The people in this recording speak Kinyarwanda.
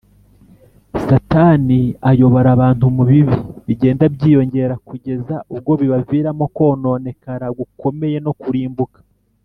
satani ayobora abantu mu bibi bigenda byiyongera kugeza ubwo bibaviramo kononekara gukomeye no kurimbuka